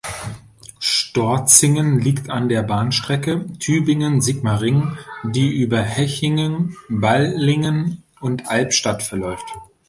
Storzingen liegt an der Bahnstrecke Tübingen–Sigmaringen, die über Hechingen, Balingen und Albstadt verläuft.